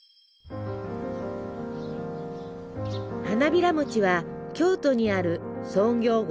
花びらもちは京都にある創業